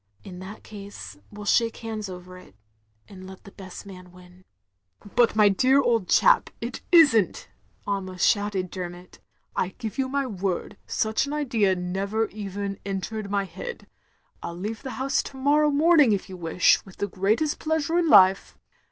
In that case we 'U shake hands over it, and let the best man wm. "But my dear old chap, it is n't," almost shouted Dermot, " I give you my word, such an idea never even entered my head. I 'U leave OF GROSVENOR SQUARE 283 the house to morrow morning if you wish, with the greatest pleasure in life.